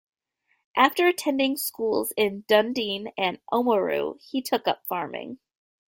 After attending schools in Dunedin and Oamaru, he took up farming.